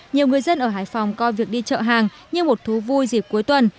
nhiều người dân ở hải phòng coi việc đi chợ hàng như một thú vui dịp cuối tuần